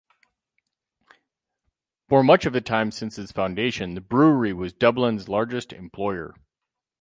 For much of the time since its foundation, the brewery was Dublin's largest employer.